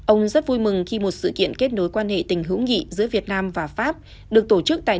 ông rất vui mừng khi một sự kiện kết nối quan hệ tình hữu nghị giữa việt nam và pháp được tổ chức tại